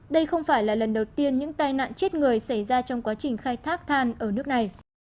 đây không phải là lần đầu tiên những tai nạn chết người xảy ra trong quá trình khai thác than ở nước này